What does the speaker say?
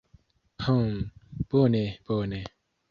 "Hm, bone bone."